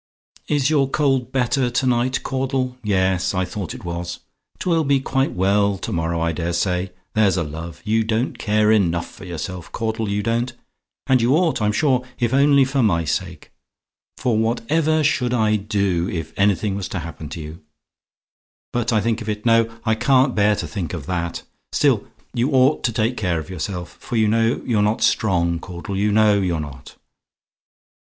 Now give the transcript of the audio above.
"Is your cold better to night, Caudle? Yes; I thought it was. 'Twill be quite well to morrow, I dare say. There's a love! You don't take care enough of yourself, Caudle, you don't. And you ought, I'm sure, if only for my sake. For whatever I should do, if anything was to happen to you but I think of it; no, I can't bear to think OF THAT. Still, you ought to take care of yourself; for you know you're not strong, Caudle; you know you're not.